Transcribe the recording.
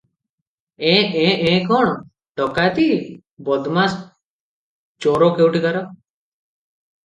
ଏଁ -ଏଁ -ଏ କଣ ଡକାଏତି! ବଦମାଏସ୍ ଚୋର କେଉଁଠିକାର ।